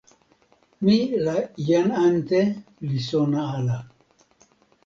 mi la jan ante li sona ala.